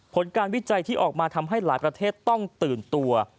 ผลการวิจัยที่ออกมาทำให้หลายประเทศต้องตื่นตัว